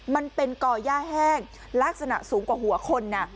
มันเป็นก่อย่าแห้งลักษณะสูงกว่าหัวคน